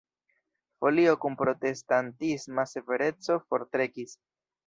Folio kun protestantisma severeco forstrekis.